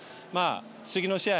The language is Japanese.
次の試合